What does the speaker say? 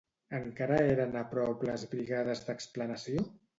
Encara eren a prop les brigades d'explanació?